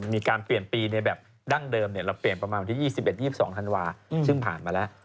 มีการเปลี่ยนปีในแบบดั้งเดิมเราเปลี่ยนประมาณวันที่๒๑๒๒ธันวาซึ่งผ่านมาแล้ว